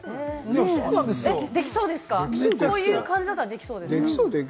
こういう感じだったらできそうですか？